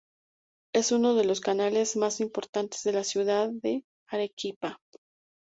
Es uno de los canales más importantes de la ciudad de Arequipa.